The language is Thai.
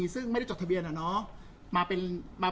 ซึ่งไม่ได้จดทะเบียนอะเนาะ